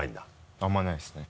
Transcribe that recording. あんまりないですね。